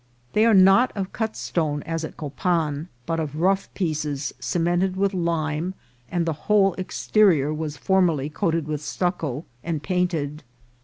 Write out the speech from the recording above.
They are not of cut stone as at Copan, but of rough pieces ce mented with lime, and the whole exterior was formerly coated with stucco and painted.